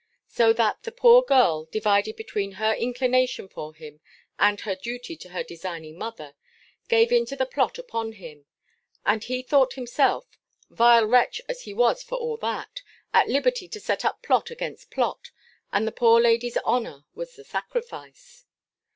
So that the poor girl, divided between her inclination for him, and her duty to her designing mother, gave into the plot upon him: and he thought himself vile wretch as he was for all that! at liberty to set up plot against plot, and the poor lady's honour was the sacrifice.